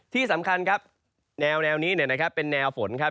ที่สำคัญครับแนวแนวนี้เนี่ยนะครับเป็นแนวฝนครับ